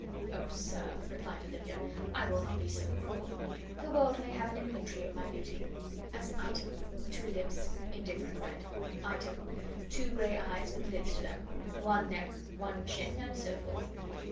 "Oh, sir," replied Olivia, "I will not be so cruel. The world may have an inventory of my beauty. As, item, two lips, indifferent red; item, two gray eyes with lids to them; one neck; one chin; and so forth.